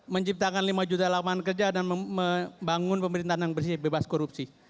menciptakan lima juta lapangan kerja dan membangun pemerintahan yang bersih bebas korupsi